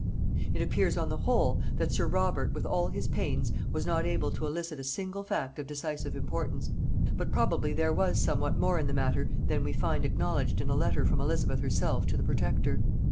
It appears on the whole, that sir Robert with all his pains was not able to elicit a single fact of decisive importance; but probably there was somewhat more in the matter than we find acknowledged in a letter from Elizabeth herself to the protector.